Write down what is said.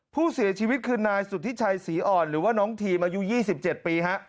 ผู้เสียชีวิตคือนายสุธิชัยศรีอ่อนหรือว่าน้องทีมอายุ๒๗ปี